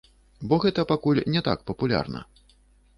Бо гэта пакуль не так папулярна.